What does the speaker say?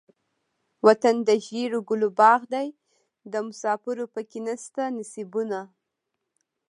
وطن دزيړو ګلو باغ دے دمسافرو پکښې نيشته نصيبونه